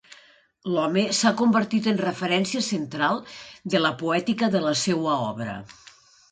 L'home s'ha convertit en referència central de la poètica de la seua obra.